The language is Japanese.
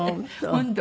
本当。